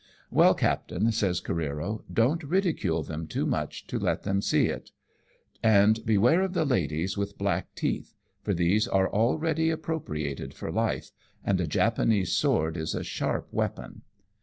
" Well, captain/' says Careero, " don't ridicule them too much to let them see it ; and beware of the ladies with black teeth, for these are already appropriated for life, and a Japanese sword is a sharp weapon.